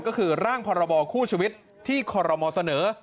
ก็คือร่างพรบคู่ชีวิตที่คอรมอเสนอ